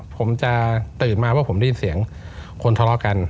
ผมจะตื่นมาว่าผมได้ยินเสียงคนทะเลาะกัน